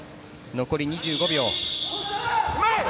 残り２５秒。